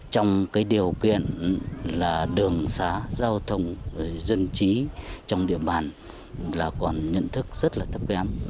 trong cái điều kiện là đường xá giao thông dân trí trong địa bàn là còn nhận thức rất là thấp kém